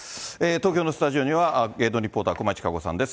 東京のスタジオには、芸能リポーター、駒井千佳子さんです。